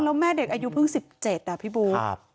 แล้วแม่เด็กอายุเพิ่ง๑๗อ่ะพี่บู๊